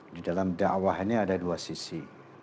di dalam dakwah ini ada dua sisi